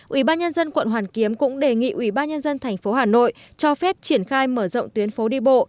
ủy ban nhân dân quận hoàn kiếm cũng đề nghị ủy ban nhân dân tp hà nội cho phép triển khai mở rộng tuyến phố đi bộ